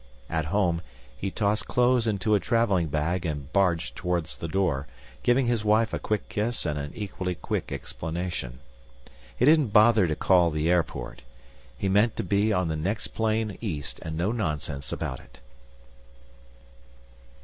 At home, he tossed clothes into a travelling bag and barged toward the door, giving his wife a quick kiss and an equally quick explanation. He didn't bother to call the airport. He meant to be on the next plane east, and no nonsense about it....